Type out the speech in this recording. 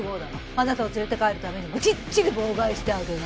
あなたを連れて帰るためにもきっちり妨害してあげないと。